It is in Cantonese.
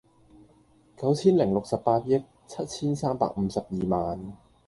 九千零六十八億七千三百五十二萬